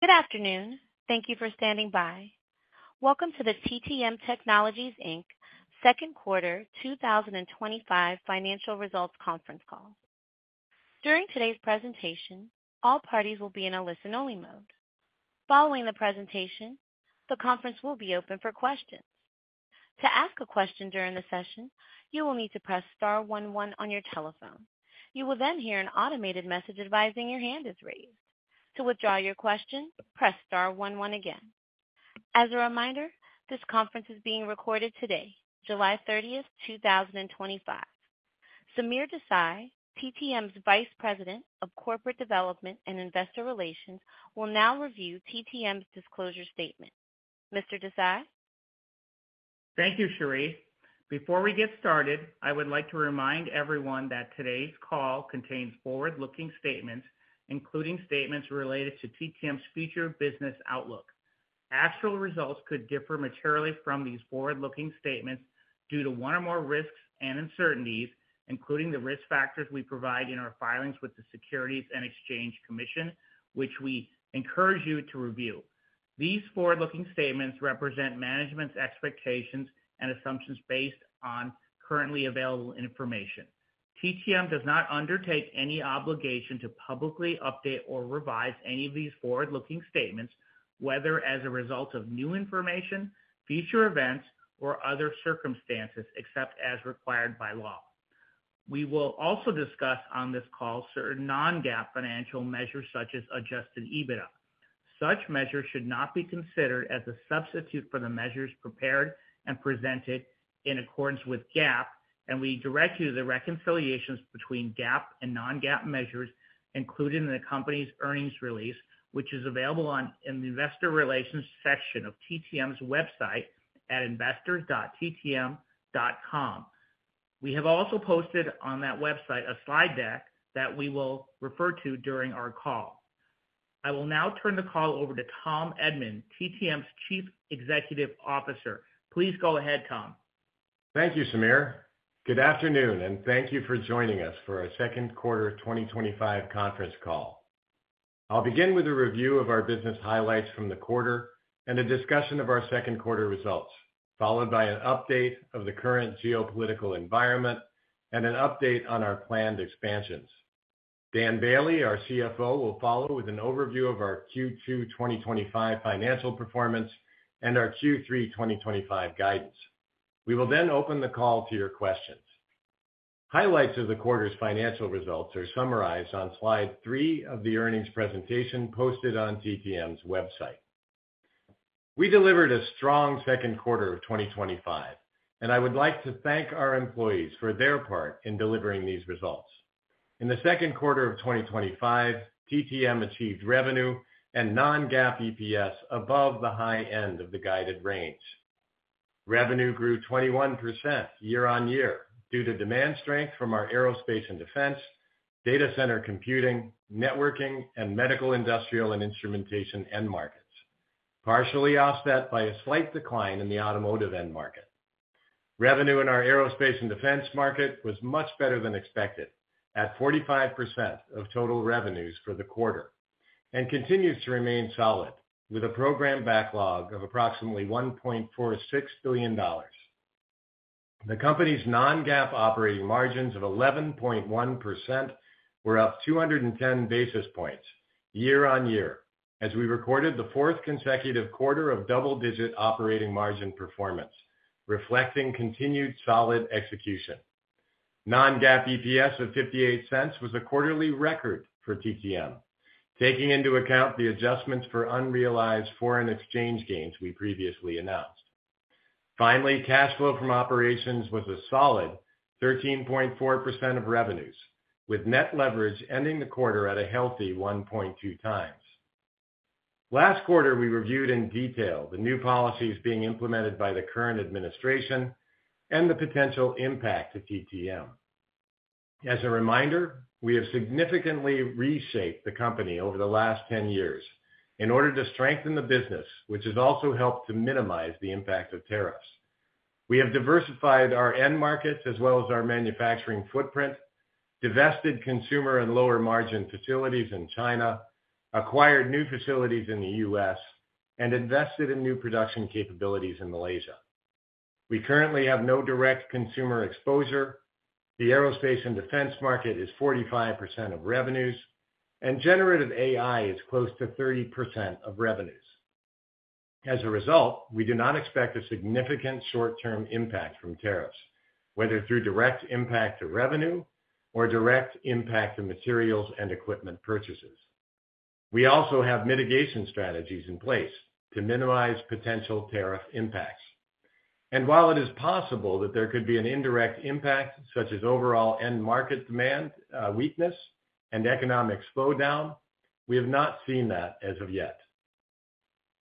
Good afternoon. Thank you for standing by. Welcome to the TTM Technologies Inc second quarter 2025 financial results conference call. During today's presentation, all parties will be in a listen-only mode. Following the presentation, the conference will be open for questions. To ask a question during the session, you will need to press star one one on your telephone. You will then hear an automated message advising your hand is raised. To withdraw your question, press star one one again. As a reminder, this conference is being recorded today, July 30, 2025. Sameer Desai, TTM'ss Vice President of Corporate Development and Investor Relations, will now review TTM'ss disclosure statement. Mr. Desai? Thank you, Shereef. Before we get started, I would like to remind everyone that today's call contains forward-looking statements, including statements related to TTM'ss future business outlook. Actual results could differ materially from these forward-looking statements due to one or more risks and uncertainties, including the risk factors we provide in our filings with the Securities and Exchange Commission, which we encourage you to review. These forward-looking statements represent management's expectations and assumptions based on currently available TTM does not undertake any obligation to publicly update or revise any of these forward-looking statements, whether as a result of new information, future events, or other circumstances except as required by law. We will also discuss on this call certain non-GAAP financial measures such as Adjusted EBITDA. Such measures should not be considered as a substitute for the measures prepared and presented in accordance with GAAP, and we direct you to the reconciliations between GAAP and non-GAAP measures included in the company's earnings release, which is available in the Investor Relations section of TTM's website at investors.ttm.com. We have also posted on that website a slide deck that we will refer to during our call. I will now turn the call over to Tom Edman, TTM's Chief Executive Officer. Please go ahead, Tom. Thank you, Sameer. Good afternoon, and thank you for joining us for our second quarter 2025 conference call. I'll begin with a review of our business highlights from the quarter and a discussion of our second quarter results, followed by an update of the current geopolitical environment and an update on our planned expansions. Dan Boehle, our CFO, will follow with an overview of our Q2 2025 financial performance and our Q3 2025 guidance. We will then open the call to your questions. Highlights of the quarter's financial results are summarized on slide three of the earnings presentation posted on TTM's website. We delivered a strong second quarter of 2025, and I would like to thank our employees for their part in delivering these results. In the second quarter of 2025, TTM achieved revenue and non-GAAP EPS above the high end of the guided range. Revenue grew 21% year-on-year due to demand strength from our aerospace and defense, data center computing, networking, and medical industrial and instrumentation end markets, partially offset by a slight decline in the automotive end market. Revenue in our aerospace and defense market was much better than expected at 45% of total revenues for the quarter and continues to remain solid with a program backlog of approximately $1.46 billion. The company's non-GAAP operating margins of 11.1% were up 210 basis points year-on-year, as we recorded the fourth consecutive quarter of double-digit operating margin performance, reflecting continued solid execution. Non-GAAP EPS of $0.58 was a quarterly record for TTM, taking into account the adjustments for unrealized foreign exchange gains we previously announced. Finally, cash flow from operations was a solid 13.4% of revenues, with net leverage ending the quarter at a healthy 1.2 times. Last quarter, we reviewed in detail the new policies being implemented by the current administration and the potential impact to TTM. As a reminder, we have significantly reshaped the company over the last 10 years in order to strengthen the business, which has also helped to minimize the impact of tariffs. We have diversified our end markets as well as our manufacturing footprint, divested consumer and lower margin facilities in China, acquired new facilities in the U.S., and invested in new production capabilities in Malaysia. We currently have no direct consumer exposure. The aerospace and defense market is 45% of revenues, and generative AI is close to 30% of revenues. As a result, we do not expect a significant short-term impact from tariffs, whether through direct impact to revenue or direct impact to materials and equipment purchases. We also have mitigation strategies in place to minimize potential tariff impacts. While it is possible that there could be an indirect impact such as overall end market demand weakness and economic slowdown, we have not seen that as of yet.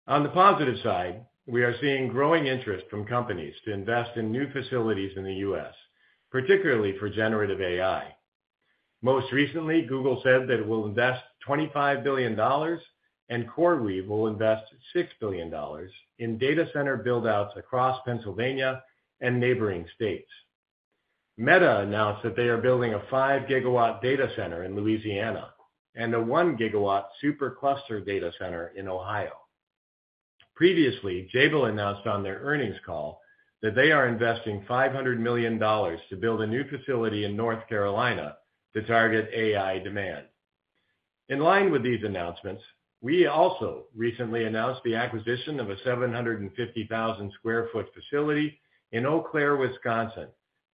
On the positive side, we are seeing growing interest from companies to invest in new facilities in the U.S., particularly for generative AI. Most recently, Google said that it will invest $25 billion, and CoreWeave will invest $6 billion in data center buildouts across Pennsylvania and neighboring states. Meta announced that they are building a 5 GW data center in Louisiana and a 1 GW supercluster data center in Ohio. Previously, Jabil announced on their earnings call that they are investing $500 million to build a new facility in North Carolina to target AI demand. In line with these announcements, we also recently announced the acquisition of a 750,000 square foot facility in Eau Claire, Wisconsin,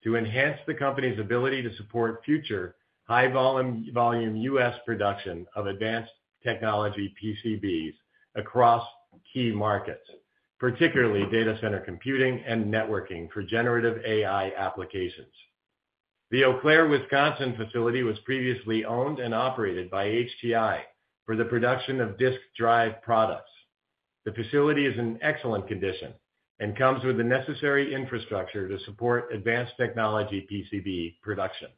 to enhance the company's ability to support future high-volume U.S. production of advanced technology PCBs across key markets, particularly data center computing and networking for generative AI applications. The Eau Claire, Wisconsin, facility was previously owned and operated by HTI for the production of disk drive products. The facility is in excellent condition and comes with the necessary infrastructure to support advanced technology PCB production.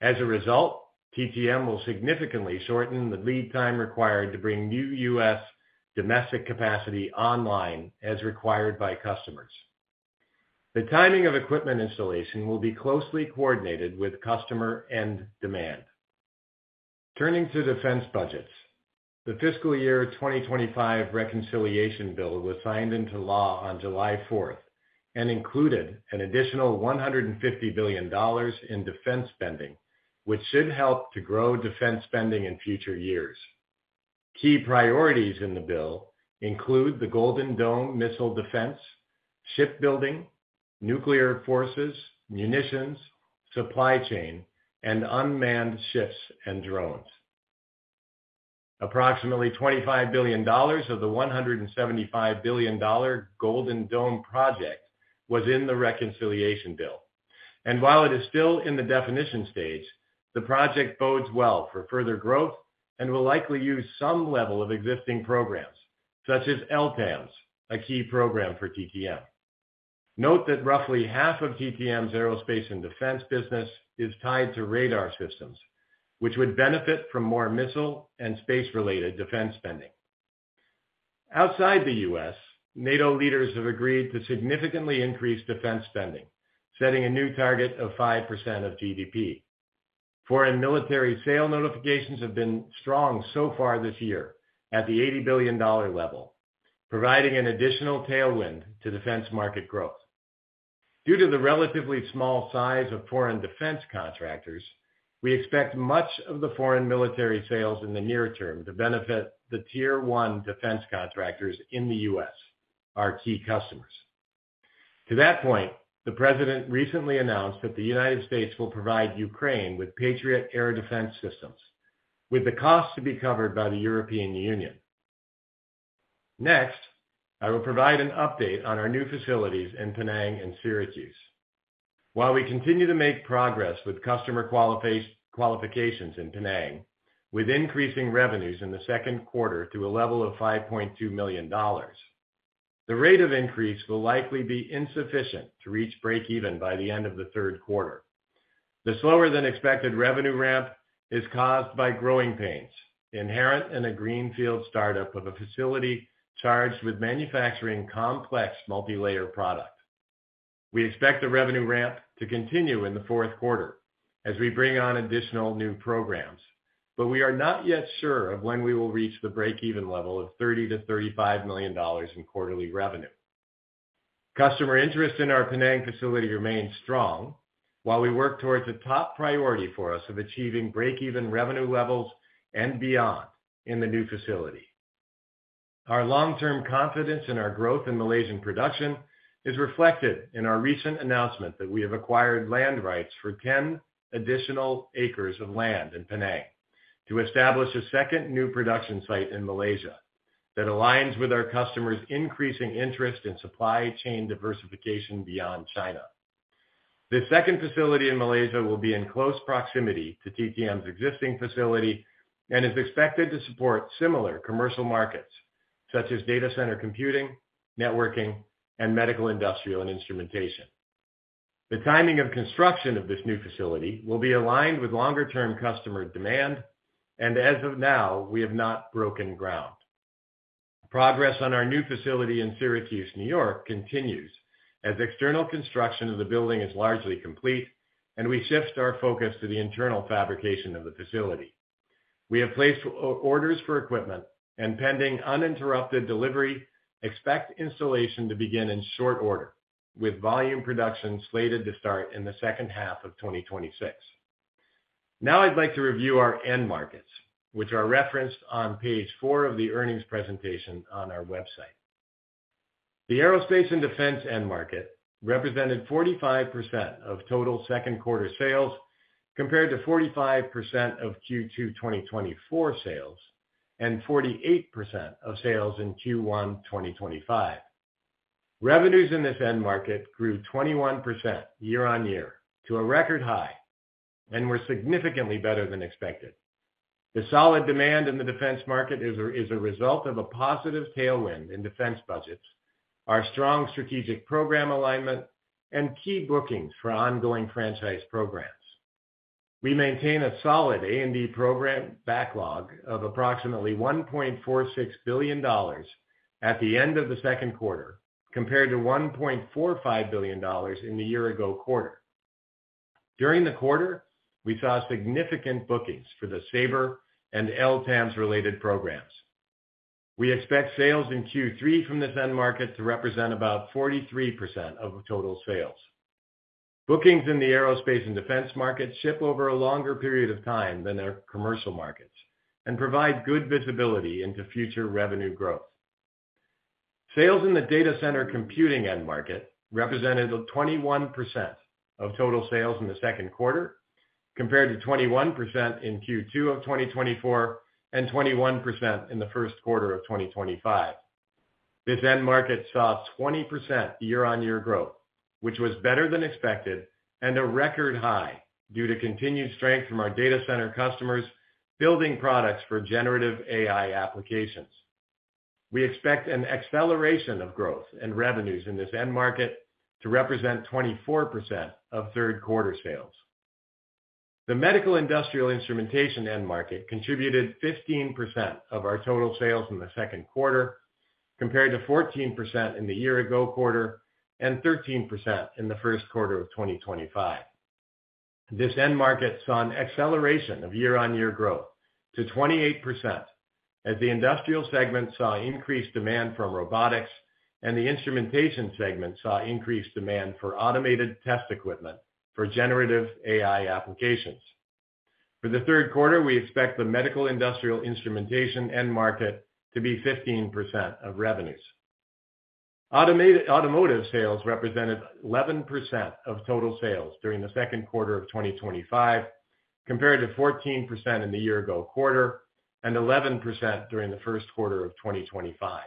As a result TTM will significantly shorten the lead time required to bring new U.S. domestic capacity online as required by customers. The timing of equipment installation will be closely coordinated with customer and demand. Turning to defense budgets, the fiscal year 2025 reconciliation bill was signed into law on July 4 and included an additional $150 billion in defense spending, which should help to grow defense spending in future years. Key priorities in the bill include the Golden Dome missile defense, shipbuilding, nuclear forces, munitions, supply chain, and unmanned ships and drones. Approximately $25 billion of the $175 billion Golden Dome project was in the reconciliation bill. While it is still in the definition stage, the project bodes well for further growth and will likely use some level of existing programs, such as LTAMDS, a key program for TTM. Note that roughly half of TTM's aerospace and defense business is tied to radar systems, which would benefit from more missile and space-related defense spending. Outside the U.S., NATO leaders have agreed to significantly increase defense spending, setting a new target of 5% of GDP. Foreign military sale notifications have been strong so far this year at the $80 billion level, providing an additional tailwind to defense market growth. Due to the relatively small size of foreign defense contractors, we expect much of the foreign military sales in the near term to benefit the Tier 1 defense contractors in the U.S., our key customers. To that point, the President recently announced that the United States will provide Ukraine with Patriot air defense systems, with the cost to be covered by the European Union. Next, I will provide an update on our new facilities in Penang and Syracuse. While we continue to make progress with customer qualifications in Penang, with increasing revenues in the second quarter to a level of $5.2 million, the rate of increase will likely be insufficient to reach break-even by the end of the third quarter. The slower-than-expected revenue ramp is caused by growing pains inherent in a greenfield startup of a facility charged with manufacturing complex multilayer products. We expect the revenue ramp to continue in the fourth quarter as we bring on additional new programs, but we are not yet sure of when we will reach the break-even level of $30 to $35 million in quarterly revenue. Customer interest in our Penang facility remains strong while we work towards a top priority for us of achieving break-even revenue levels and beyond in the new facility. Our long-term confidence in our growth in Malaysian production is reflected in our recent announcement that we have acquired land rights for 10 additional acres of land in Penang to establish a second new production site in Malaysia that aligns with our customers' increasing interest in supply chain diversification beyond China. This second facility in Malaysia will be in close proximity to TTM's existing facility and is expected to support similar commercial markets such as data center computing, networking, and medical, industrial and instrumentation. The timing of construction of this new facility will be aligned with longer-term customer demand, and as of now, we have not broken ground. Progress on our new facility in Syracuse, New York, continues as external construction of the building is largely complete, and we shift our focus to the internal fabrication of the facility. We have placed orders for equipment, and pending uninterrupted delivery, expect installation to begin in short order with volume production slated to start in the second half of 2026. Now I'd like to review our end markets, which are referenced on page four of the earnings presentation on our website. The aerospace and defense end market represented 45% of total second quarter sales compared to 45% of Q2 2024 sales and 48% of sales in Q1 2025. Revenues in this end market grew 21% year-on-year to a record high and were significantly better than expected. The solid demand in the defense market is a result of a positive tailwind in defense budgets, our strong strategic program alignment, and key bookings for ongoing franchise programs. We maintain a solid A&D program backlog of approximately $1.46 billion at the end of the second quarter compared to $1.45 billion in the year-ago quarter. During the quarter, we saw significant bookings for the Sabre and LTAMDS related programs. We expect sales in Q3 from this end market to represent about 43% of total sales. Bookings in the aerospace and defense market ship over a longer period of time than their commercial markets and provide good visibility into future revenue growth. Sales in the data center computing end market represented 21% of total sales in the second quarter compared to 21% in Q2 2024 and 21% in the first quarter of 2025. This end market saw 20% year-on-year growth, which was better than expected, and a record high due to continued strength from our data center customers building products for generative AI applications. We expect an acceleration of growth in revenues in this end market to represent 24% of third quarter sales. The medical industrial instrumentation end market contributed 15% of our total sales in the second quarter compared to 14% in the year-ago quarter and 13% in the first quarter of 2025. This end market saw an acceleration of year-on-year growth to 28% as the industrial segment saw increased demand from robotics and the instrumentation segment saw increased demand for automated test equipment for generative AI applications. For the third quarter, we expect the medical industrial instrumentation end market to be 15% of revenues. Automotive sales represented 11% of total sales during the second quarter of 2025 compared to 14% in the year-ago quarter and 11% during the first quarter of 2025.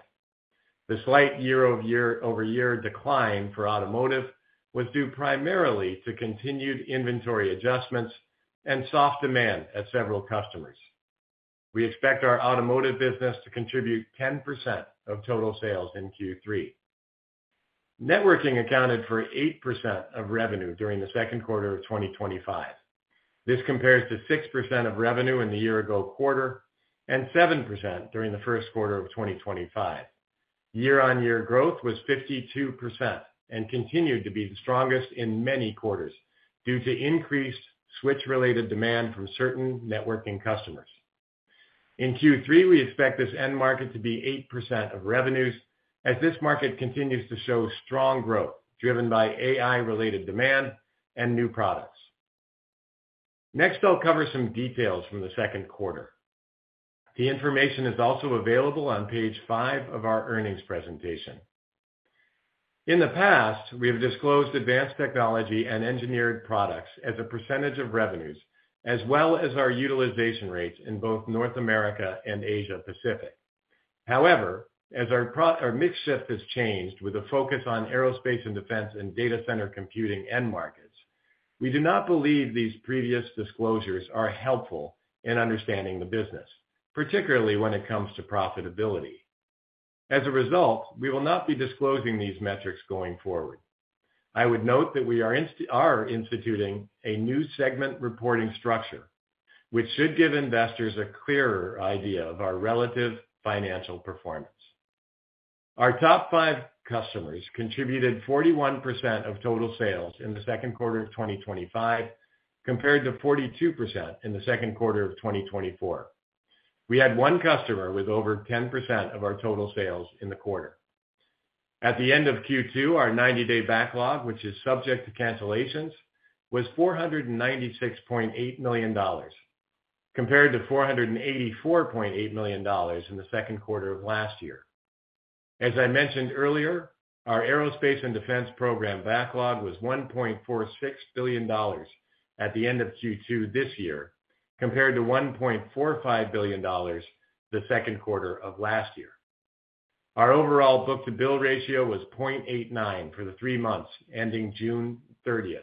The slight year-over-year decline for automotive was due primarily to continued inventory adjustments and soft demand at several customers. We expect our automotive business to contribute 10% of total sales in Q3. Networking accounted for 8% of revenue during the second quarter of 2025. This compares to 6% of revenue in the year-ago quarter and 7% during the first quarter of 2025. Year-on-year growth was 52% and continued to be the strongest in many quarters due to increased switch-related demand from certain networking customers. In Q3, we expect this end market to be 8% of revenues as this market continues to show strong growth driven by AI-related demand and new products. Next, I'll cover some details from the second quarter. The information is also available on page five of our earnings presentation. In the past, we have disclosed advanced technology and engineered products as a percentage of revenues, as well as our utilization rates in both North America and Asia-Pacific. However, as our mix shift has changed with a focus on aerospace and defense and data center computing end markets, we do not believe these previous disclosures are helpful in understanding the business, particularly when it comes to profitability. As a result, we will not be disclosing these metrics going forward. I would note that we are instituting a new segment reporting structure, which should give investors a clearer idea of our relative financial performance. Our top five customers contributed 41% of total sales in the second quarter of 2025 compared to 42% in the second quarter of 2024. We had one customer with over 10% of our total sales in the quarter. At the end of Q2, our 90-day backlog, which is subject to cancellations, was $496.8 million compared to $484.8 million in the second quarter of last year. As I mentioned earlier, our aerospace and defense program backlog was $1.46 billion at the end of Q2 this year compared to $1.45 billion the second quarter of last year. Our overall book-to-bill ratio was 0.89 for the three months ending June 30th,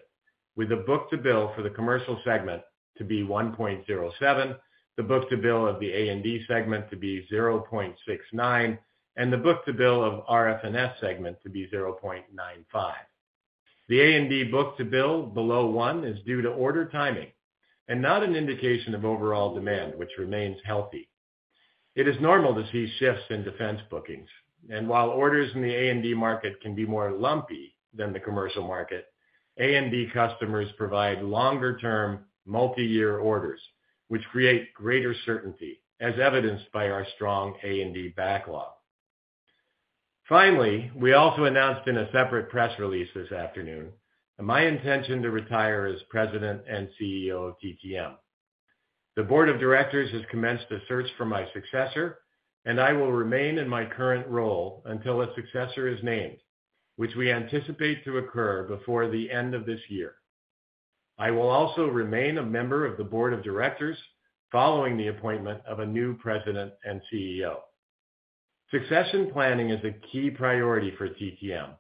with the book-to-bill for the commercial segment to be 1.07, the book-to-bill of the A&D segment to be 0.69, and the book-to-bill of RFNS segment to be 0.95. The A&D book-to-bill below one is due to order timing and not an indication of overall demand, which remains healthy. It is normal to see shifts in defense bookings, and while orders in the A&D market can be more lumpy than the commercial market, A&D customers provide longer-term multi-year orders, which create greater certainty, as evidenced by our strong A&D backlog. Finally, we also announced in a separate press release this afternoon my intention to retire as President and CEO of TTM. The Board of Directors has commenced a search for my successor, and I will remain in my current role until a successor is named, which we anticipate to occur before the end of this year. I will also remain a member of the Board of Directors following the appointment of a new President and CEO. Succession planning is a key priority for TTM,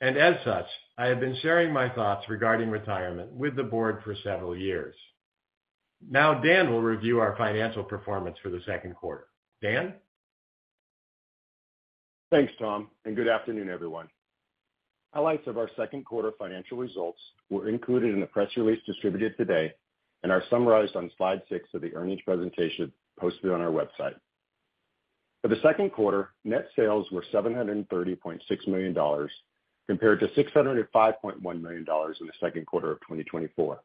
and as such, I have been sharing my thoughts regarding retirement with the Board for several years. Now, Dan will review our financial performance for the second quarter. Dan? Thanks, Tom, and good afternoon, everyone. Highlights of our second quarter financial results were included in the press release distributed today and are summarized on slide six of the earnings presentation posted on our website. For the second quarter, net sales were $730.6 million compared to $605.1 million in the second quarter of 2024.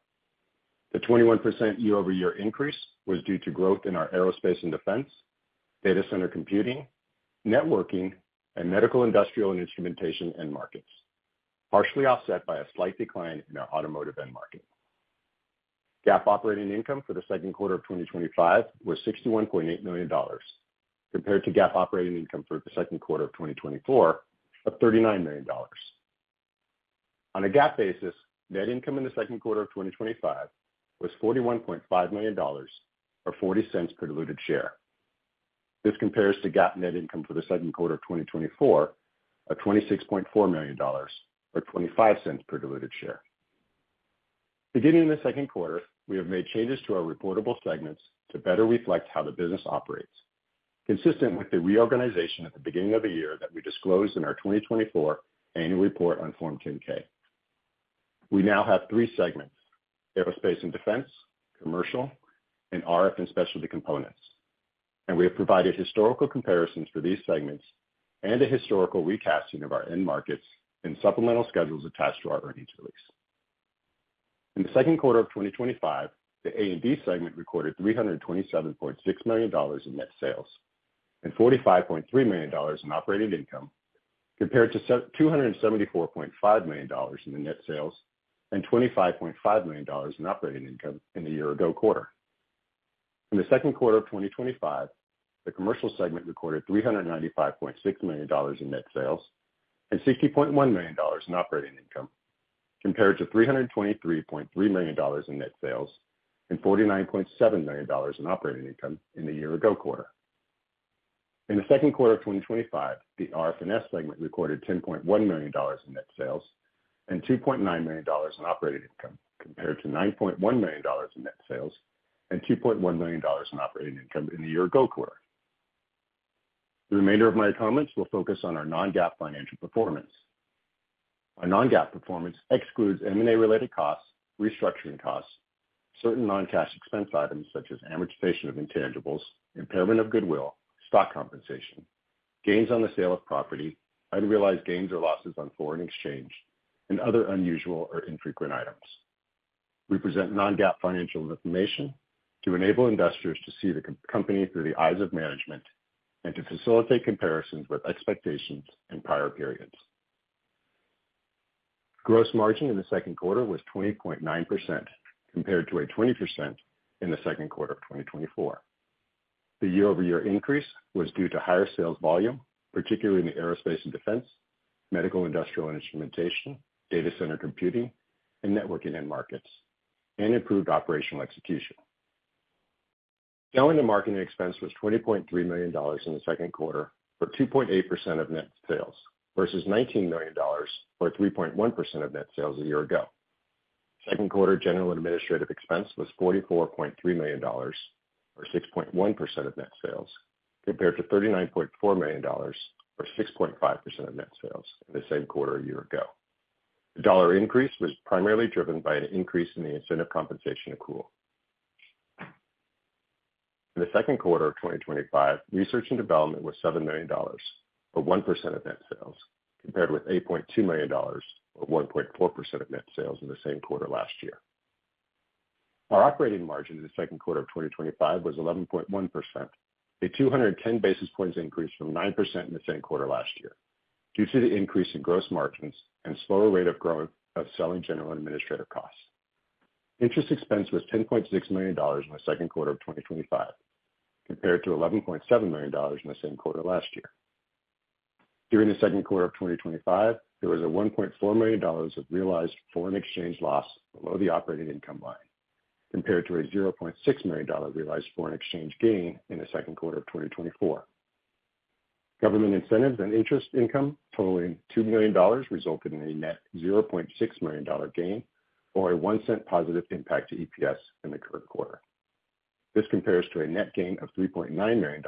The 21% year-over-year increase was due to growth in our aerospace and defense, data center computing, networking, and medical industrial and instrumentation end markets, partially offset by a slight decline in our automotive end market. GAAP operating income for the second quarter of 2025 was $61.8 million compared to GAAP operating income for the second quarter of 2024 of $39 million. On a GAAP basis, net income in the second quarter of 2025 was $41.5 million, or $0.40 per diluted share. This compares to GAAP net income for the second quarter of 2024 of $26.4 million, or $0.25 per diluted share. Beginning in the second quarter, we have made changes to our reportable segments to better reflect how the business operates, consistent with the reorganization at the beginning of the year that we disclosed in our 2024 annual report on Form 10K. We now have three segments: aerospace and defense, commercial, and RF and specialty components, and we have provided historical comparisons for these segments and a historical recasting of our end markets and supplemental schedules attached to our earnings release. In the second quarter of 2025, the aerospace and defense segment recorded $327.6 million in net sales and $45.3 million in operating income, compared to $274.5 million in net sales and $25.5 million in operating income in the year-ago quarter. In the second quarter of 2025, the commercial segment recorded $395.6 million in net sales and $60.1 million in operating income, compared to $323.3 million in net sales and $49.7 million in operating income in the year-ago quarter. In the second quarter of 2025, the RF and specialty components segment recorded $10.1 million in net sales and $2.9 million in operating income, compared to $9.1 million in net sales and $2.1 million in operating income in the year-ago quarter. The remainder of my comments will focus on our non-GAAP financial performance. Our non-GAAP performance excludes M&A-related costs, restructuring costs, certain non-cash expense items such as amortization of intangibles, impairment of goodwill, stock compensation, gains on the sale of property, unrealized gains or losses on foreign exchange, and other unusual or infrequent items. We present non-GAAP financial information to enable investors to see the company through the eyes of management and to facilitate comparisons with expectations and prior periods. Gross margin in the second quarter was 20.9% compared to 20% in the second quarter of 2024. The year-over-year increase was due to higher sales volume, particularly in the aerospace and defense, medical, industrial and instrumentation, data center computing, and networking end markets, and improved operational execution. Selling and marketing expense was $20.3 million in the second quarter for 2.8% of net sales versus $19 million or 3.1% of net sales a year ago. Second quarter general administrative expense was $44.3 million or 6.1% of net sales compared to $39.4 million or 6.5% of net sales in the same quarter a year ago. The dollar increase was primarily driven by an increase in the incentive compensation accrual. In the second quarter of 2025, research and development was $7 million or 1% of net sales compared with $8.2 million or 1.4% of net sales in the same quarter last year. Our operating margin in the second quarter of 2025 was 11.1%, a 210 basis points increase from 9% in the same quarter last year due to the increase in gross margins and slower rate of growth of selling, general and administrative costs. Interest expense was $10.6 million in the second quarter of 2025 compared to $11.7 million in the same quarter last year. During the second quarter of 2025, there was a $1.4 million realized foreign exchange loss below the operating income line compared to a $0.6 million realized foreign exchange gain in the second quarter of 2024. Government incentives and interest income totaling $2 million resulted in a net $0.6 million gain or a $0.01 positive impact to EPS in the current quarter. This compares to a net gain of $3.9 million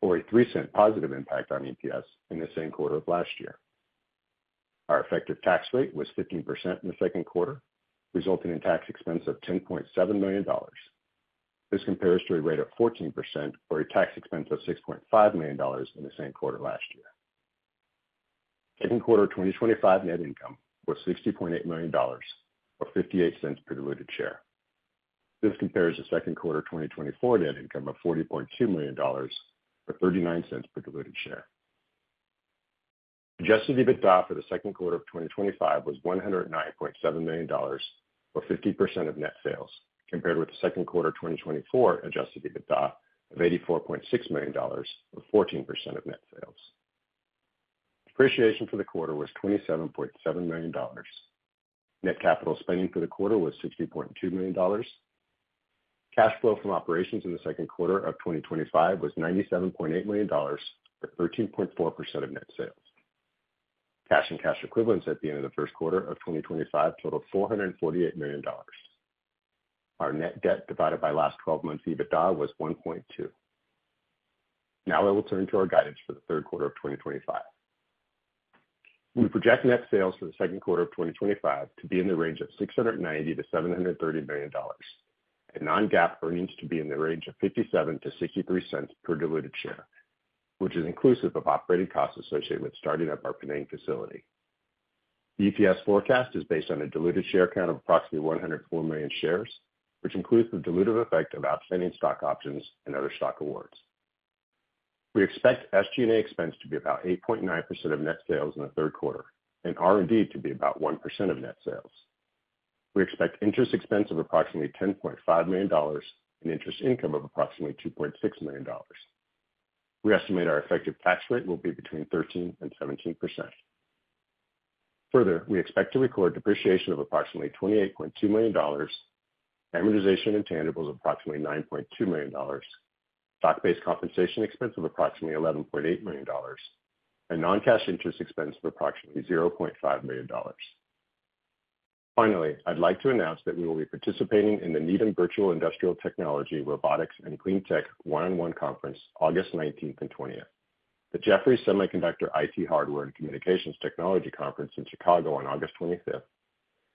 or a $0.03 positive impact on EPS in the same quarter of last year. Our effective tax rate was 15% in the second quarter, resulting in a tax expense of $10.7 million. This compares to a rate of 14% or a tax expense of $6.5 million in the same quarter last year. Second quarter of 2025 net income was $60.8 million or $0.58 per diluted share. This compares to second quarter 2024 net income of $40.2 million or $0.39 per diluted share. Adjusted EBITDA for the second quarter of 2025 was $109.7 million or 15% of net sales compared with the second quarter of 2024 Adjusted EBITDA of $84.6 million or 14% of net sales. Depreciation for the quarter was $27.7 million. Net capital spending for the quarter was $60.2 million. Cash flow from operations in the second quarter of 2025 was $97.8 million or 13.4% of net sales. Cash and cash equivalents at the end of the first quarter of 2025 totaled $448 million. Our net debt divided by last 12 months EBITDA was 1.2. Now I will turn to our guidance for the third quarter of 2025. We project net sales for the third quarter of 2025 to be in the range of $690 million to $730 million and non-GAAP earnings to be in the range of $0.57 to $0.63 per diluted share, which is inclusive of operating costs associated with starting up our Penang facility. The EPS forecast is based on a diluted share count of approximately 104 million shares, which includes the dilutive effect of outstanding stock options and other stock awards. We expect SG&A expense to be about 8.9% of net sales in the third quarter and R&D to be about 1% of net sales. We expect interest expense of approximately $10.5 million and interest income of approximately $2.6 million. We estimate our effective tax rate will be between 13% and 17%. Further, we expect to record depreciation of approximately $28.2 million, amortization of intangibles of approximately $9.2 million, stock-based compensation expense of approximately $11.8 million, and non-cash interest expense of approximately $0.5 million. Finally, I'd like to announce that we will be participating in the Needham Virtual Industrial Technology, Robotics, and Cleantech one-on-one conference August 19 and 20, the Jefferies Semiconductor IT Hardware and Communications Technology Conference in Chicago on August 25,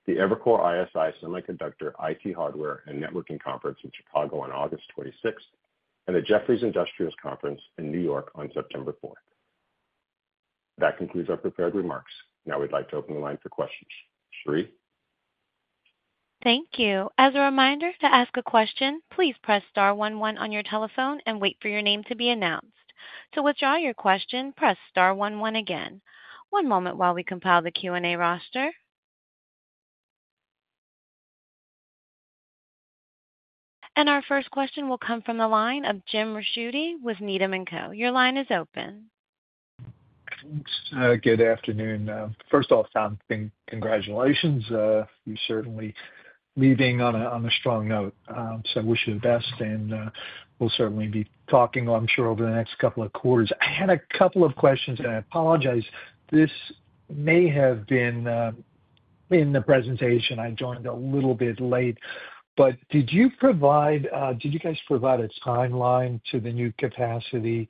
the Evercore ISI Semiconductor IT Hardware and Networking Conference in Chicago on August 26, and the Jefferies Industrials Conference in New York on September 4. That concludes our prepared remarks. Now we'd like to open the line for questions. Shereef? Thank you. As a reminder, to ask a question, please press star one one on your telephone and wait for your name to be announced. To withdraw your question, press star one one again. One moment while we compile the Q&A roster. Our first question will come from the line of Jim Ricchiuti with Needham & Co. Your line is open. Good afternoon. First off, Tom, congratulations. You're certainly leaving on a strong note. I wish you the best, and we'll certainly be talking, I'm sure, over the next couple of quarters. I had a couple of questions. I apologize, this may have been in the presentation. I joined a little bit late. Did you provide, did you guys provide a timeline to the new capacity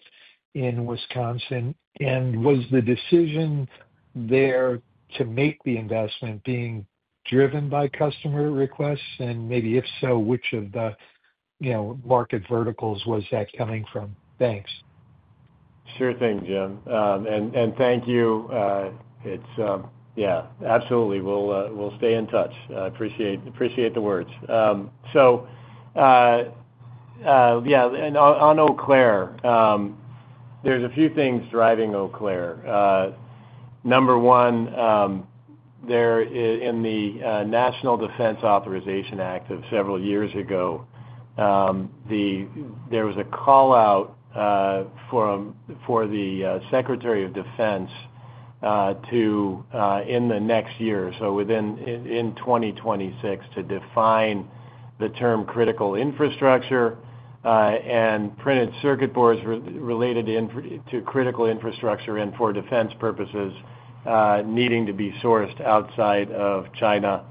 in Wisconsin? Was the decision there to make the investment being driven by customer requests? If so, which of the, you know, market verticals was that coming from? Thanks. Sure thing, Jim. Thank you. Absolutely. We'll stay in touch. I appreciate the words. On Eau Claire, there's a few things driving Eau Claire. Number one, in the National Defense Authorization Act of several years ago, there was a call-out for the Secretary of Defense to, in the next year, so within 2026, define the term critical infrastructure and printed circuit boards related to critical infrastructure and for defense purposes needing to be sourced outside of China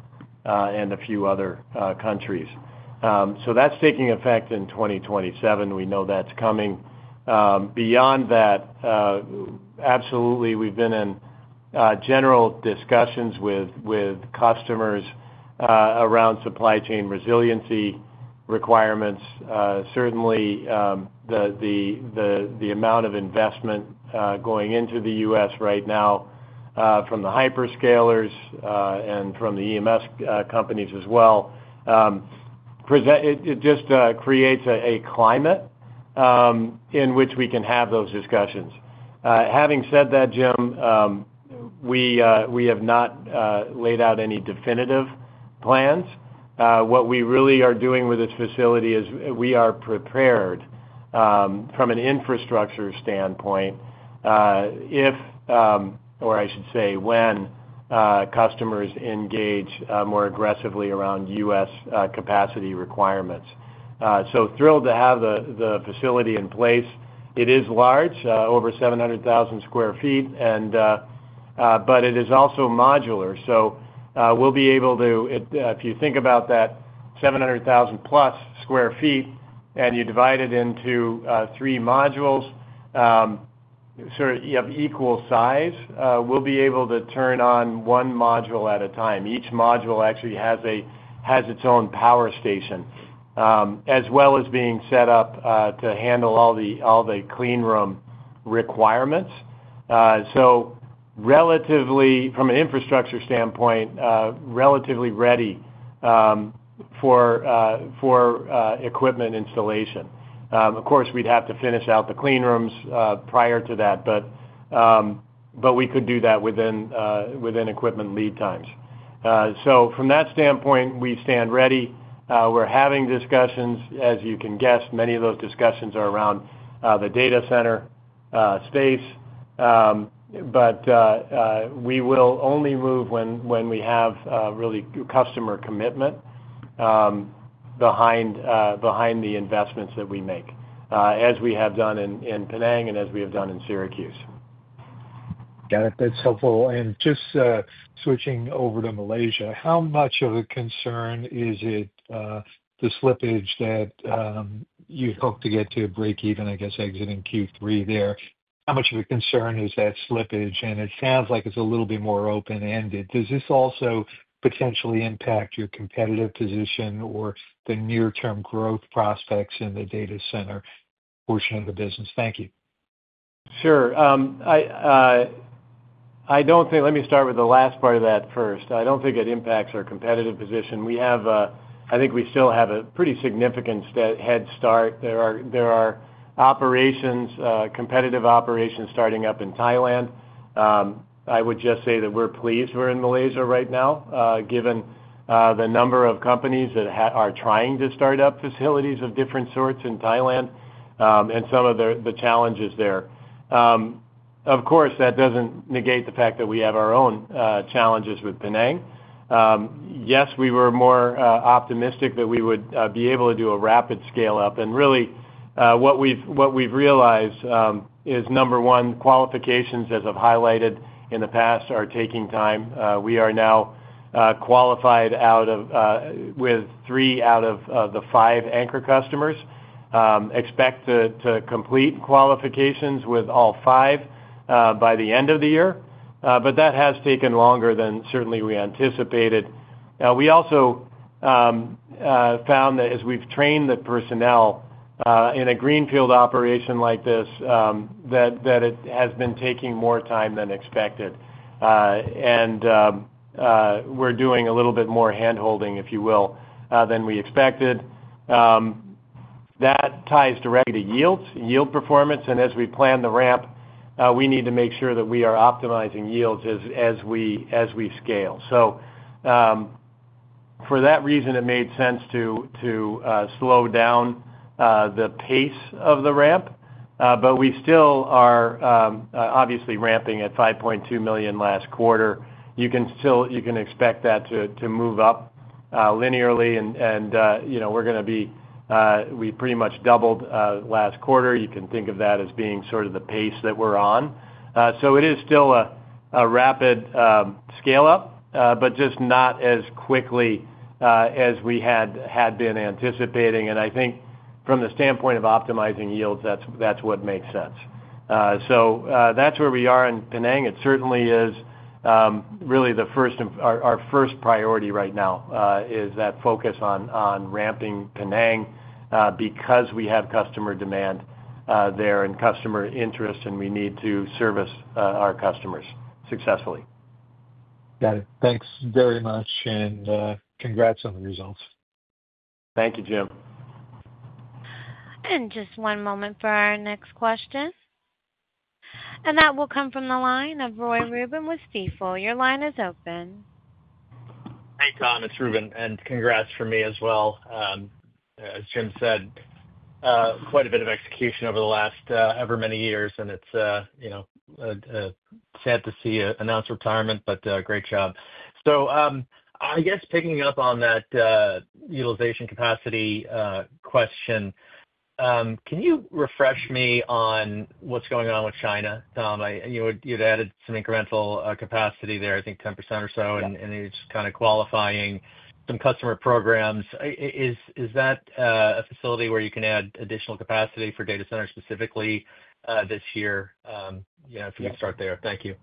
and a few other countries. That's taking effect in 2027. We know that's coming. Beyond that, we've been in general discussions with customers around supply chain resiliency requirements. Certainly, the amount of investment going into the U.S. right now from the hyperscalers and from the EMS companies as well just creates a climate in which we can have those discussions. Having said that, Jim, we have not laid out any definitive plans. What we really are doing with this facility is we are prepared from an infrastructure standpoint if, or I should say, when customers engage more aggressively around U.S. capacity requirements. Thrilled to have the facility in place. It is large, over 700,000 sq ft, but it is also modular. If you think about that 700,000 plus sq ft and you divide it into three modules, so you have equal size, we'll be able to turn on one module at a time. Each module actually has its own power station, as well as being set up to handle all the clean room requirements. From an infrastructure standpoint, relatively ready for equipment installation. Of course, we'd have to finish out the clean rooms prior to that, but we could do that within equipment lead times. From that standpoint, we stand ready. We're having discussions. As you can guess, many of those discussions are around the data center space. We will only move when we have really customer commitment behind the investments that we make, as we have done in Penang and as we have done in Syracuse. Got it. That's helpful. Just switching over to Malaysia, how much of a concern is it, the slippage that you hope to get to a break-even, I guess, exiting Q3 there? How much of a concern is that slippage? It sounds like it's a little bit more open-ended. Does this also potentially impact your competitive position or the near-term growth prospects in the data center portion of the business? Thank you. Sure. I don't think, let me start with the last part of that first. I don't think it impacts our competitive position. We have, I think we still have a pretty significant head start. There are operations, competitive operations starting up in Thailand. I would just say that we're pleased we're in Malaysia right now, given the number of companies that are trying to start up facilities of different sorts in Thailand and some of the challenges there. Of course, that doesn't negate the fact that we have our own challenges with Penang. Yes, we were more optimistic that we would be able to do a rapid scale-up. What we've realized is, number one, qualifications, as I've highlighted in the past, are taking time. We are now qualified with three out of the five anchor customers. Expect to complete qualifications with all five by the end of the year. That has taken longer than certainly we anticipated. We also found that as we've trained the personnel in a greenfield operation like this, it has been taking more time than expected. We're doing a little bit more hand-holding, if you will, than we expected. That ties directly to yields, yield performance. As we plan the ramp, we need to make sure that we are optimizing yields as we scale. For that reason, it made sense to slow down the pace of the ramp. We still are obviously ramping at $5.2 million last quarter. You can expect that to move up linearly. We pretty much doubled last quarter. You can think of that as being sort of the pace that we're on. It is still a rapid scale-up, just not as quickly as we had been anticipating. I think from the standpoint of optimizing yields, that's what makes sense. That's where we are in Penang. It certainly is really the first, our first priority right now is that focus on ramping Penang because we have customer demand there and customer interest, and we need to service our customers successfully. Got it. Thanks very much, and congrats on the results. Thank you, Jim. Just one moment for our next question. That will come from the line of Ruben Roy with Stifel. Your line is open. Thanks, Tom. It's Ruben, and congrats from me as well. As Jim said, quite a bit of execution over the last ever many years, and it's sad to see an announced retirement, but great job. I guess picking up on that utilization capacity question, can you refresh me on what's going on with China? You had added some incremental capacity there, I think 10% or so, and you're just kind of qualifying some customer programs. Is that a facility where you can add additional capacity for data centers specifically this year? If you could start there. Thank you.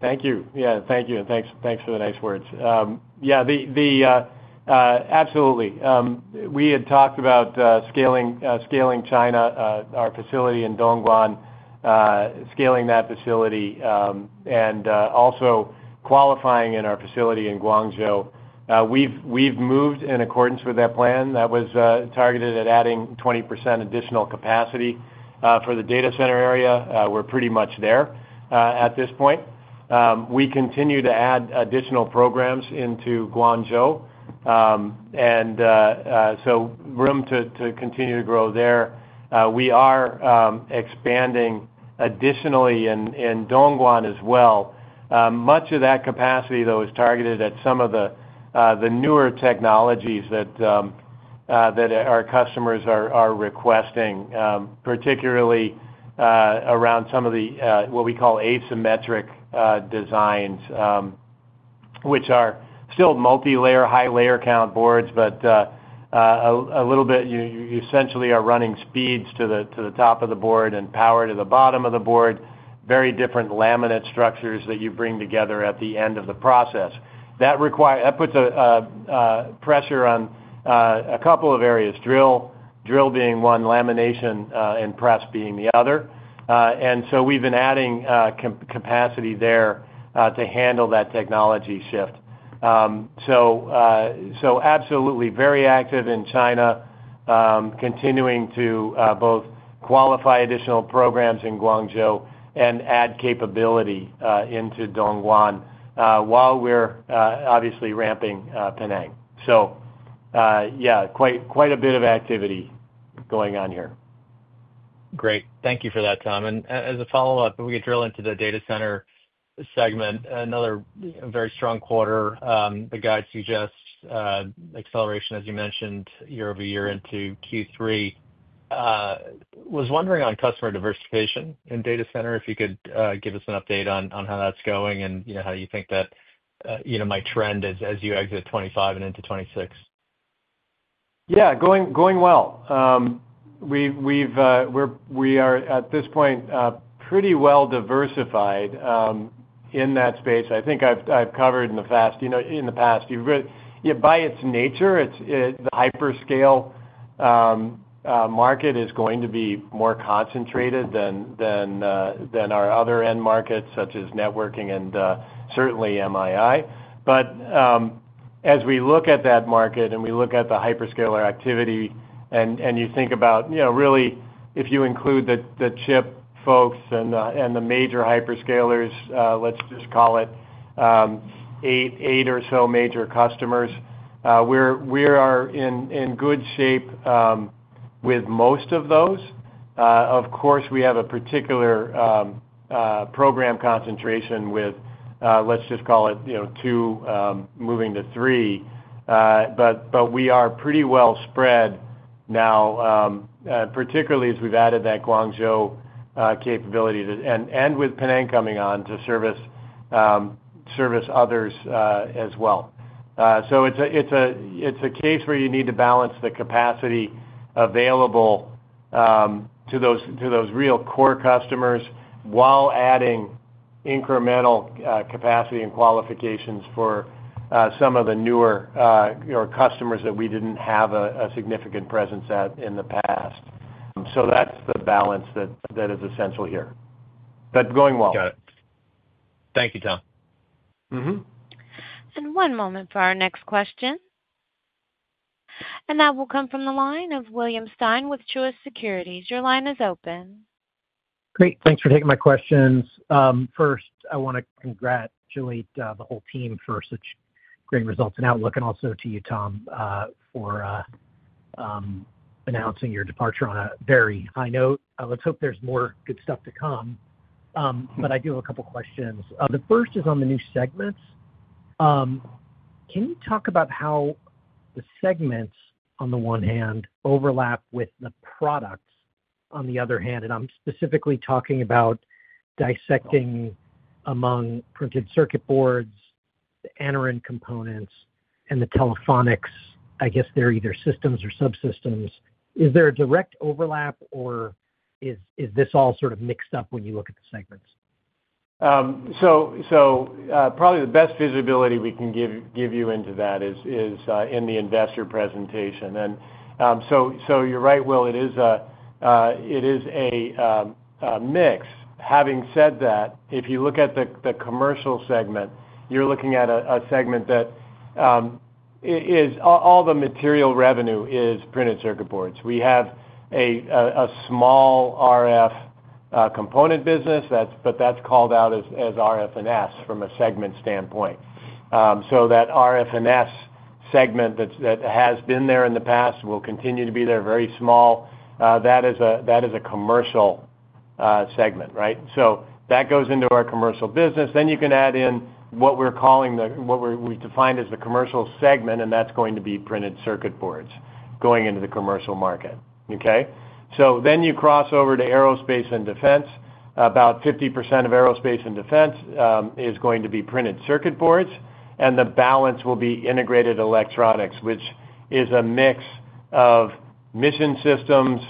Thank you. Yeah, thank you. And thanks for the nice words. Yeah, absolutely. We had talked about scaling China, our facility in Dongguan, scaling that facility, and also qualifying in our facility in Guangzhou. We've moved in accordance with that plan that was targeted at adding 20% additional capacity for the data center area. We're pretty much there at this point. We continue to add additional programs into Guangzhou, and so room to continue to grow there. We are expanding additionally in Dongguan as well. Much of that capacity, though, is targeted at some of the newer technologies that our customers are requesting, particularly around some of the what we call asymmetric designs, which are still multi-layer, high-layer count boards, but a little bit, you essentially are running speeds to the top of the board and power to the bottom of the board, very different laminate structures that you bring together at the end of the process. That puts pressure on a couple of areas, drill being one, lamination and press being the other. We have been adding capacity there to handle that technology shift. Absolutely very active in China, continuing to both qualify additional programs in Guangzhou and add capability into Dongguan while we're obviously ramping Penang. Quite a bit of activity going on here. Great. Thank you for that, Tom. As a follow-up, if we could drill into the data center segment, another very strong quarter. The guide suggests acceleration, as you mentioned, year-over-year into Q3. Was wondering on customer diversification in data center, if you could give us an update on how that's going and how you think that, you know, my trend is as you exit 2025 and into 2026. Yeah, going well. We are at this point pretty well diversified in that space. I think I've covered in the past, you know, by its nature, the hyperscale market is going to be more concentrated than our other end markets such as networking and certainly MII. As we look at that market and we look at the hyperscaler activity and you think about, you know, really, if you include the chip folks and the major hyperscalers, let's just call it eight or so major customers, we are in good shape with most of those. Of course, we have a particular program concentration with, let's just call it, you know, two, moving to three. We are pretty well spread now, particularly as we've added that Guangzhou capability and with Penang coming on to service others as well. It is a case where you need to balance the capacity available to those real core customers while adding incremental capacity and qualifications for some of the newer customers that we didn't have a significant presence at in the past. That is the balance that is essential here. Going well. Got it. Thank you, Tom. One moment for our next question. That will come from the line of William Stein with Truist Securities. Your line is open. Great. Thanks for taking my questions. First, I want to congratulate the whole team for such great results and outlook, and also to you, Tom, for announcing your departure on a very high note. Let's hope there's more good stuff to come. I do have a couple of questions. The first is on the new segments. Can you talk about how the segments, on the one hand, overlap with the products, on the other hand? I'm specifically talking about dissecting among printed circuit boards, the Anaren components, and the Telephonics. I guess they're either systems or subsystems. Is there a direct overlap, or is this all sort of mixed up when you look at the segments? Probably the best visibility we can give you into that is in the investor presentation. You're right, Will, it is a mix. Having said that, if you look at the commercial segment, you're looking at a segment that all the material revenue is printed circuit boards. We have a small RF component business, but that's called out as RFNS from a segment standpoint. That RFNS segment that has been there in the past and will continue to be there, very small, that is a commercial segment, right? That goes into our commercial business. Then you can add in what we're calling the, what we define as the commercial segment, and that's going to be printed circuit boards going into the commercial market. Okay? You cross over to aerospace and defense. About 50% of aerospace and defense is going to be printed circuit boards, and the balance will be integrated electronics, which is a mix of mission systems,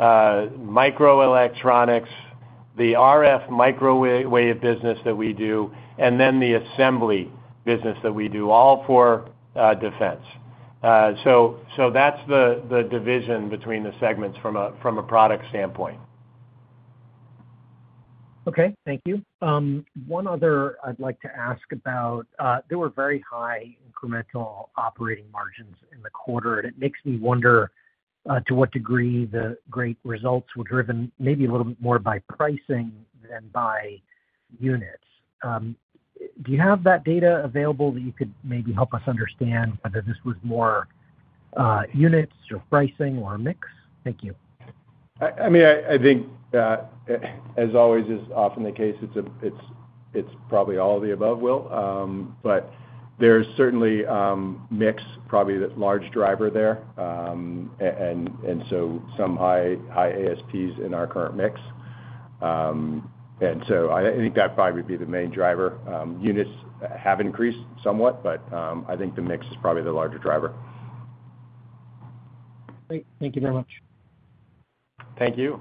microelectronics, the RF/microwave business that we do, and then the assembly business that we do, all for defense. That's the division between the segments from a product standpoint. Okay. Thank you. One other I'd like to ask about, there were very high incremental operating margins in the quarter, and it makes me wonder to what degree the great results were driven maybe a little bit more by pricing than by units. Do you have that data available that you could maybe help us understand whether this was more units or pricing or a mix? Thank you. I mean, I think, as always is often the case, it's probably all of the above, Will. There's certainly a mix, probably the large driver there, and some high ASPs in our current mix. I think that probably would be the main driver. Units have increased somewhat, but I think the mix is probably the larger driver. Great. Thank you very much. Thank you.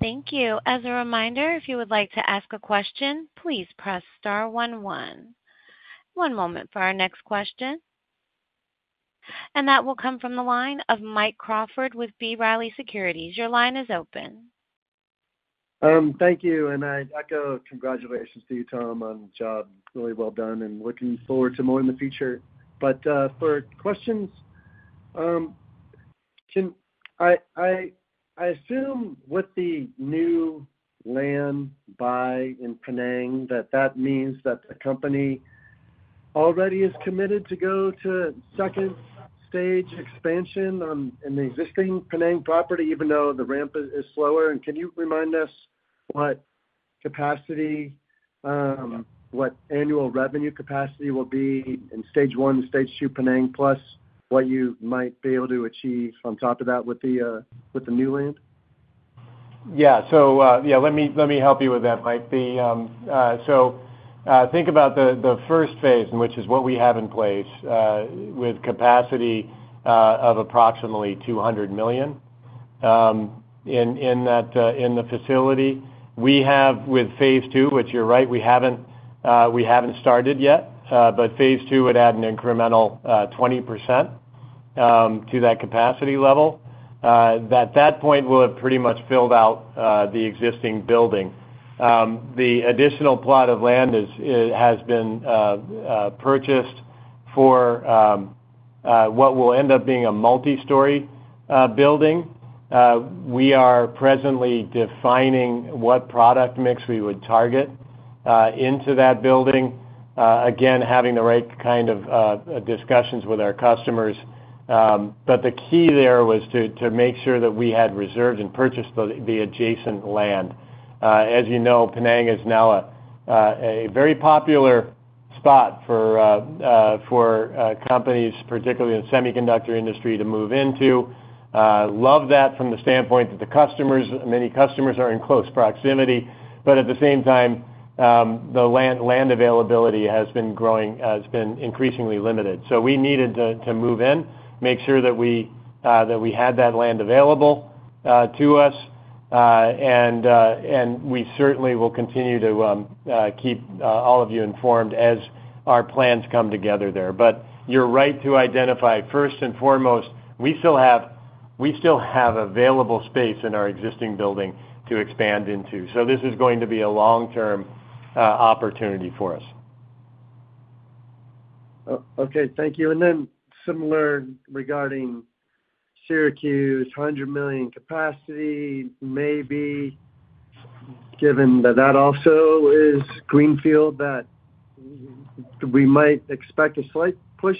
Thank you. As a reminder, if you would like to ask a question, please press star one one. One moment for our next question. That will come from the line of Mike Crawford with B. Riley Securities. Your line is open. Thank you. I echo congratulations to you, Tom, on the job. Really well done, and looking forward to more in the future. For questions, can I assume with the new land buy in Penang that that means that the company already is committed to go to second-stage expansion on an existing Penang property, even though the ramp is slower? Can you remind us what capacity, what annual revenue capacity will be in stage one and stage two Penang, plus what you might be able to achieve on top of that with the new land? Yeah. Let me help you with that, Mike. Think about the first phase, which is what we have in place with capacity of approximately $200 million in the facility. With phase two, which you're right, we haven't started yet, phase two would add an incremental 20% to that capacity level. At that point, we'll have pretty much filled out the existing building. The additional plot of land has been purchased for what will end up being a multi-story building. We are presently defining what product mix we would target into that building, again, having the right kind of discussions with our customers. The key there was to make sure that we had reserved and purchased the adjacent land. As you know, Penang is now a very popular spot for companies, particularly in the semiconductor industry, to move into. I love that from the standpoint that the customers, many customers, are in close proximity. At the same time, the land availability has been increasingly limited. We needed to move in, make sure that we had that land available to us. We certainly will continue to keep all of you informed as our plans come together there. You're right to identify, first and foremost, we still have available space in our existing building to expand into. This is going to be a long-term opportunity for us. Thank you. Regarding Syracuse, $100 million capacity, maybe given that that also is greenfield, we might expect a slight push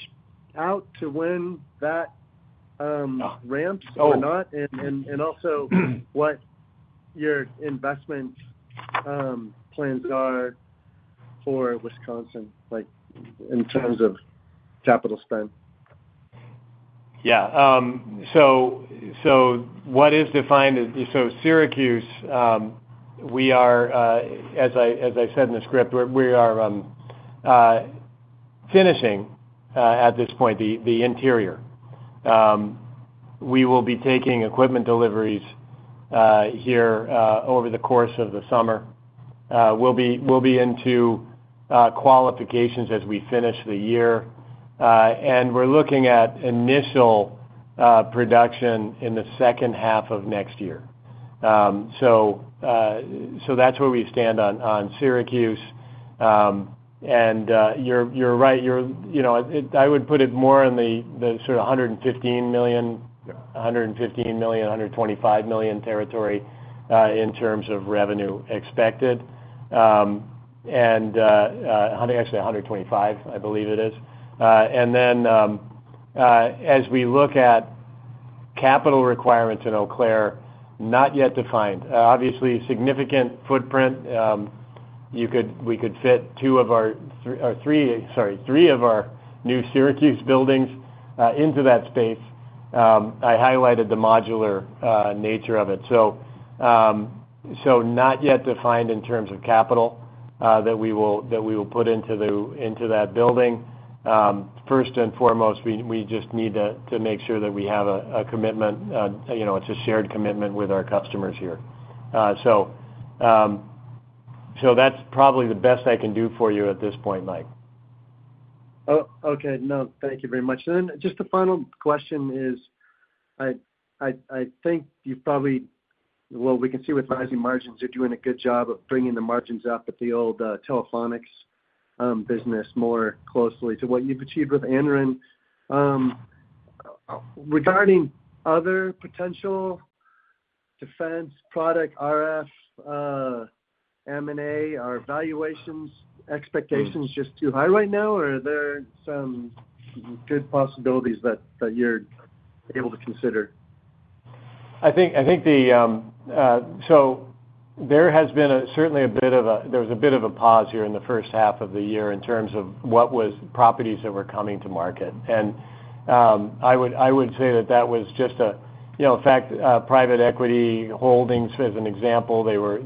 out to win that ramp or not. Also, what your investment plans are for Wisconsin, like in terms of capital spend. Yeah. What is defined as, Syracuse, we are, as I said in the script, we are finishing at this point the interior. We will be taking equipment deliveries here over the course of the summer. We'll be into qualifications as we finish the year, and we're looking at initial production in the second half of next year. That's where we stand on Syracuse. You're right, I would put it more in the sort of $115 million, $115 million, $125 million territory in terms of revenue expected. Actually, $125 million, I believe it is. As we look at capital requirements in Eau Claire, not yet defined. Obviously, significant footprint. We could fit three of our new Syracuse buildings into that space. I highlighted the modular nature of it. Not yet defined in terms of capital that we will put into that building. First and foremost, we just need to make sure that we have a commitment. It's a shared commitment with our customers here. That's probably the best I can do for you at this point, Mike. Thank you very much. Just the final question is, I think you probably, we can see with rising margins, you're doing a good job of bringing the margins up at the old Telephonics business more closely to what you've achieved with Anaren. Regarding other potential defense product, RF, M&A, are valuations, expectations just too high right now, or are there some good possibilities that you're able to consider? There has been certainly a bit of a pause here in the first half of the year in terms of what was properties that were coming to market. I would say that was just a fact. Private equity holdings, as an example, were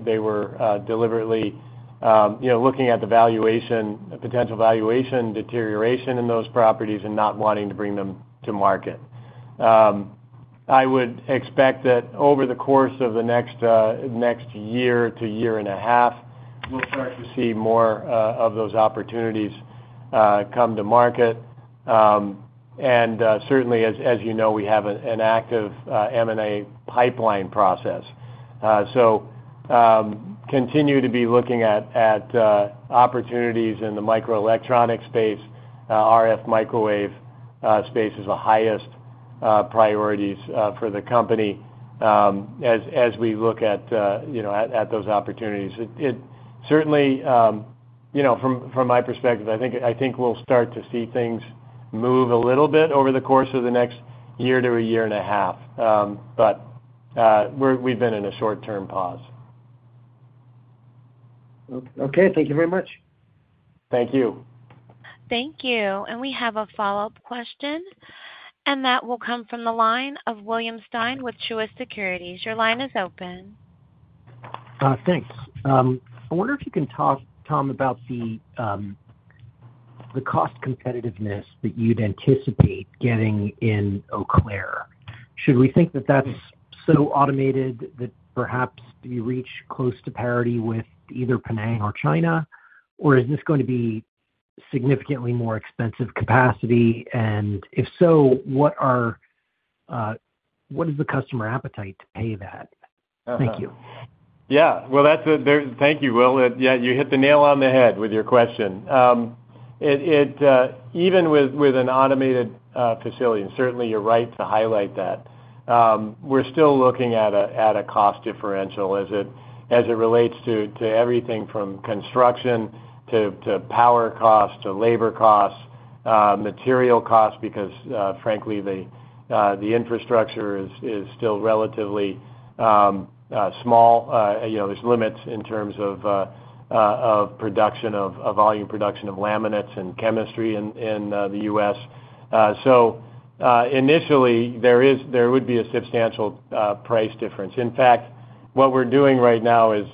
deliberately looking at the potential valuation deterioration in those properties and not wanting to bring them to market. I would expect that over the course of the next year to year and a half, we'll start to see more of those opportunities come to market. Certainly, as you know, we have an active M&A pipeline process. We continue to be looking at opportunities in the microelectronics space. RF/microwave space is the highest priority for the company as we look at those opportunities. From my perspective, I think we'll start to see things move a little bit over the course of the next year to a year and a half. We've been in a short-term pause. Okay, thank you very much. Thank you. Thank you. We have a follow-up question. That will come from the line of William Stein with Truist Securities. Your line is open. Thanks. I wonder if you can talk, Tom, about the cost competitiveness that you'd anticipate getting in Eau Claire. Should we think that that's so automated that perhaps you reach close to parity with either Penang or China, or is this going to be significantly more expensive capacity? If so, what is the customer appetite to pay that? Thank you. Thank you, Will. You hit the nail on the head with your question. Even with an automated facility, and certainly, you're right to highlight that, we're still looking at a cost differential as it relates to everything from construction to power costs to labor costs, material costs, because frankly, the infrastructure is still relatively small. There's limits in terms of volume production of laminates and chemistry in the U.S. Initially, there would be a substantial price difference. In fact, what we're doing right now is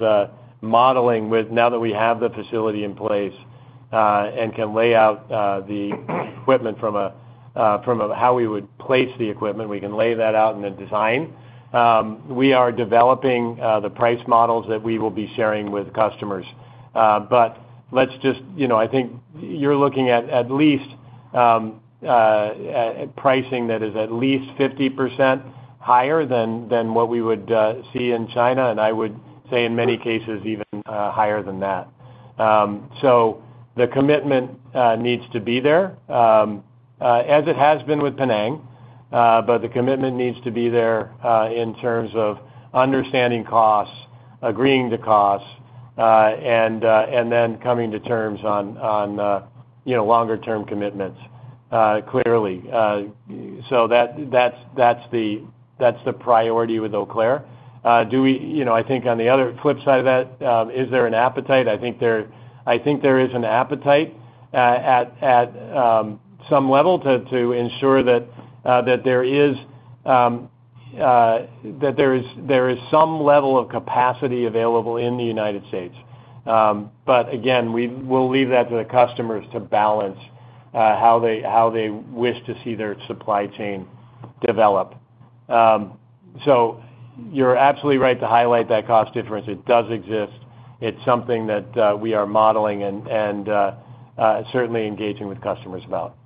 modeling with, now that we have the facility in place and can lay out the equipment from how we would place the equipment, we can lay that out in a design. We are developing the price models that we will be sharing with customers. I think you're looking at at least pricing that is at least 50% higher than what we would see in China, and I would say in many cases even higher than that. The commitment needs to be there, as it has been with Penang, but the commitment needs to be there in terms of understanding costs, agreeing to costs, and then coming to terms on longer-term commitments, clearly. That's the priority with Eau Claire. On the other flip side of that, is there an appetite? I think there is an appetite at some level to ensure that there is some level of capacity available in the United States. We'll leave that to the customers to balance how they wish to see their supply chain develop. You're absolutely right to highlight that cost difference. It does exist. It's something that we are modeling and certainly engaging with customers about.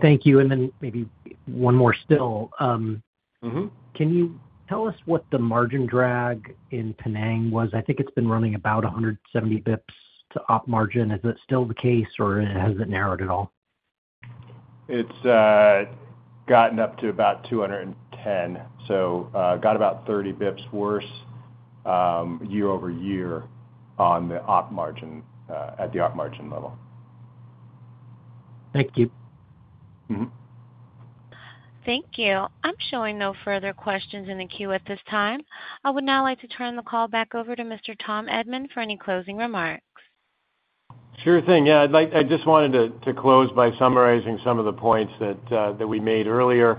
Thank you. Maybe one more still. Can you tell us what the margin drag in Penang was? I think it's been running about 170 basis points to operating margin. Is that still the case, or has it narrowed at all? It's gotten up to about 210, so got about 30 basis points worse year-over-year on the operating margin at the operating margin level. Thank you. Thank you. I'm showing no further questions in the queue at this time. I would now like to turn the call back over to Mr. Tom Edman for any closing remarks. Sure thing. I'd like, I just wanted to close by summarizing some of the points that we made earlier.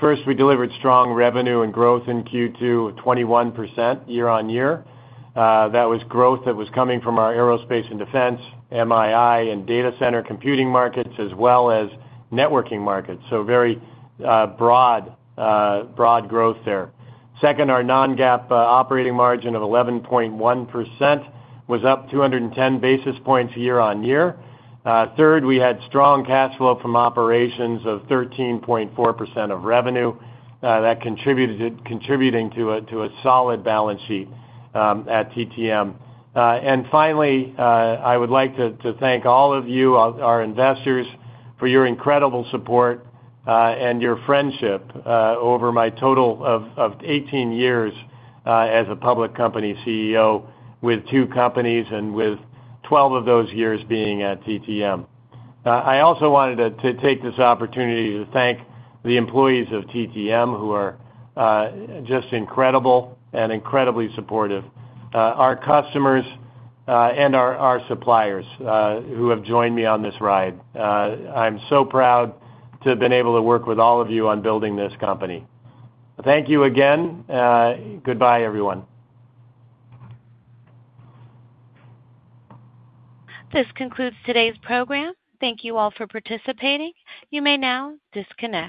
First, we delivered strong revenue and growth in Q2 of 21% year-on-year. That was growth that was coming from our aerospace and defense, MII, and data center computing markets, as well as networking markets. Very broad growth there. Second, our non-GAAP operating margin of 11.1% was up 210 basis points year-on-year. Third, we had strong cash flow from operations of 13.4% of revenue, that contributing to a solid balance sheet at TTM. Finally, I would like to thank all of you, our investors, for your incredible support and your friendship over my total of 18 years as a public company CEO with two companies and with 12 of those years being at TTM. I also wanted to take this opportunity to thank the employees TTM who are just incredible and incredibly supportive, our customers and our suppliers who have joined me on this ride. I'm so proud to have been able to work with all of you on building this company. Thank you again. Goodbye, everyone. This concludes today's program. Thank you all for participating. You may now disconnect.